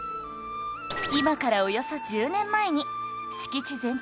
今からおよそ１０年前に敷地全体